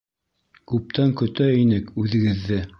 — Күптән көтә инекүҙегеҙҙе.